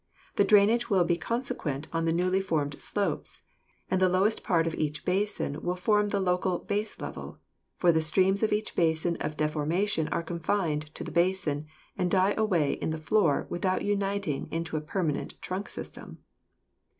The drainage will be consequent on the newly formed slopes, and the lowest part of each basin will form the local base level, for the streams of each basin of deformation are confined to that basin and die away in the floor without uniting into a per manent trunk stream.